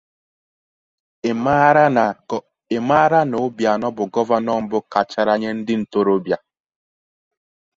Ị̀ mààrà na Obianọ bụ gọvanọ mbụ kachara nye ndị ntorobịa